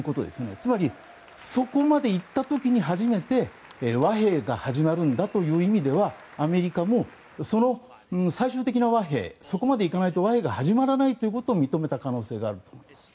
つまり、そこまでいった時に初めて和平が始まるんだという意味では、アメリカも最終的な和平にいかないとそこまでいかないと和平が始まらないということを認めた可能性があります。